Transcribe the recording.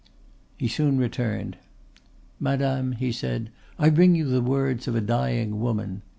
He soon returned. "Madame," he said, "I bring you the words of a dying woman.